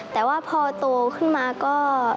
แต่ว่าพอโตขึ้นมาก็